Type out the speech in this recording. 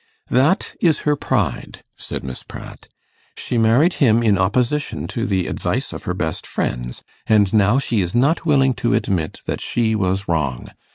'That is her pride,' said Miss Pratt. 'She married him in opposition to the advice of her best friends, and now she is not willing to admit that she was wrong.